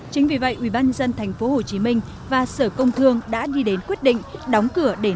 chính vì vậy ubnd tp hcm và sở công thương đã đi đến quyết định đóng cửa để